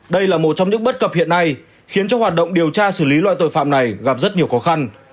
đây là một trong những bất cập hiện nay khiến cho hoạt động điều tra xử lý loại tội phạm này gặp rất nhiều khó khăn